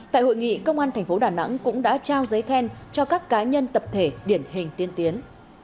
tại hội nghị công an thành phố đà nẵng cũng đã trao giấy khen cho các cá nhân tập thể điển hình tiên tiến